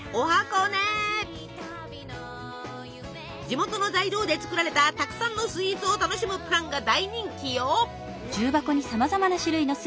地元の材料で作られたたくさんのスイーツを楽しむプランが大人気よ！